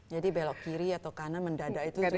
jadi belok kiri atau kanan mendadak itu cuma tuhan